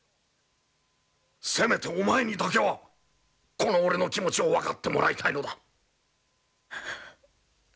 せめてお前にだけはこの俺の気持ちを分かってもらいたいのだ。